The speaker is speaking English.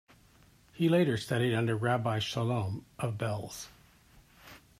He later studied under Rabbi Shalom of Belz.